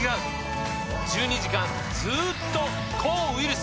１２時間ずっと抗ウイルス！